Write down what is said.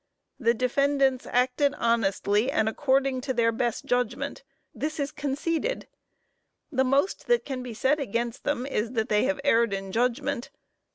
The defendants acted honestly and according to their best judgment. This is conceded. The most that can be said against them is, that they have erred in judgment.